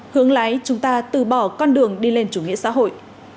hướng lái chúng ta từ bỏ con đường đi lên chủ nghĩa xã hội